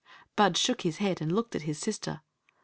Bud shook his head and looked at his sister.